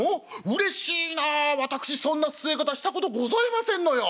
うれしいなあ私そんな据え方したことございませんのよ。